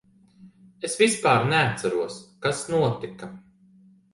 Es vispār neatceros, kas notika.